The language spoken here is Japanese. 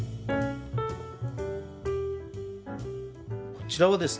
こちらはですね